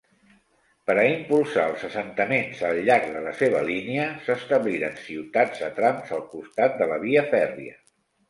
Per a impulsar els assentaments al llarg de la seva línia, s'establiren ciutats a trams al costat de la via fèrria.